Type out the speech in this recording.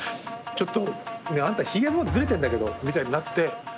「ちょっとあんたヒゲもズレてんだけど」みたいになって。